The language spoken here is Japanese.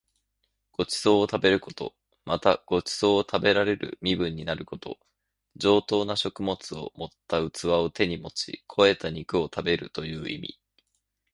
ご馳走を食べること。また、ご馳走を食べられる身分になること。上等な食物を盛った器を手に持ち肥えた肉を食べるという意味。